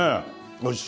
おいしい。